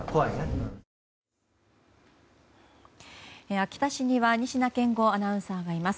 秋田市には仁科健吾アナウンサーがいます。